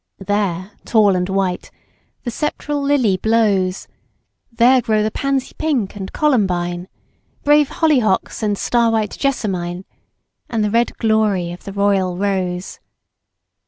There, tall and white, the sceptral lily blows; There grow the pansy pink and columbine, Brave holly hocks and star white jessamine And the red glory of the royal rose.